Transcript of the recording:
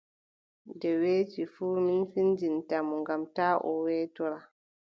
Nde weeti fuu boo, min findinta mo, ngam taa o weetora!